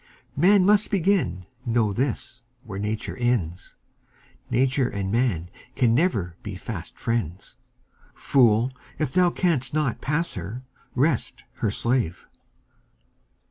Man must begin, know this, where Nature ends; Nature and man can never be fast friends. Fool, if thou canst not pass her, rest her slave!